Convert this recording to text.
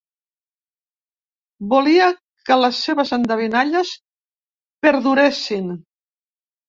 Volia que les seves endevinalles perduressin.